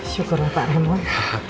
syukur pak remon